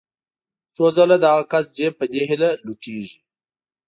څو ځله د هغه کس جېب په دې هیله لوټېږي.